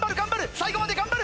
最後まで頑張る！